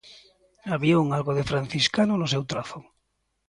Había un algo de franciscano no seu trazo.